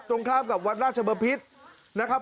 ตรงข้ามกับวัดราชบพิษนะครับ